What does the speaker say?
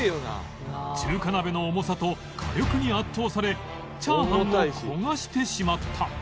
中華鍋の重さと火力に圧倒され炒飯を焦がしてしまった